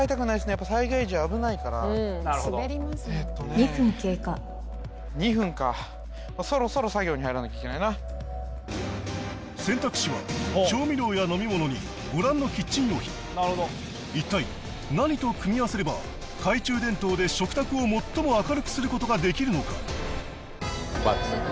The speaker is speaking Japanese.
やっぱ災害時危ないからなるほど２分経過そろそろ作業に入らなきゃいけないな選択肢は調味料や飲み物にご覧のキッチン用品一体何と組み合わせれば懐中電灯で食卓を最も明るくすることができるのか？